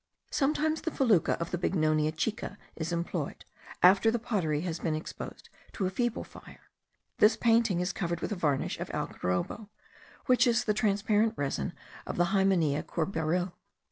Sometimes the fecula of the Bignonia chica is employed, after the pottery has been exposed to a feeble fire. This painting is covered with a varnish of algarobo, which is the transparent resin of the Hymenaea courbaril.